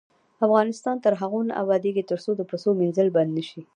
افغانستان تر هغو نه ابادیږي، ترڅو د پیسو مینځل بند نشي.